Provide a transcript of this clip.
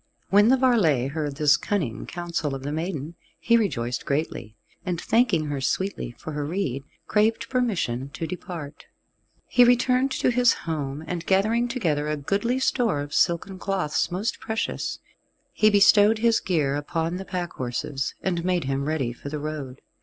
When the varlet heard this cunning counsel of the maiden, he rejoiced greatly, and thanking her sweetly for her rede, craved permission to depart. He returned to his own home, and gathering together a goodly store of silken cloths most precious, he bestowed his gear upon the pack horses, and made him ready for the road.